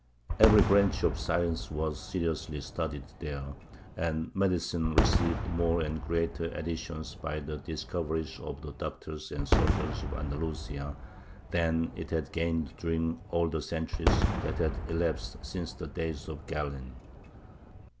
Every branch of science was seriously studied there, and medicine received more and greater additions by the discoveries of the doctors and surgeons of Andalusia than it had gained during all the centuries that had elapsed since the days of Galen.